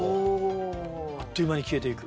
あっという間に消えていく。